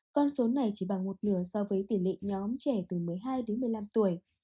con số này chỉ bằng một nửa so với tỷ lệ nhóm trẻ từ một mươi hai đến một mươi năm tuổi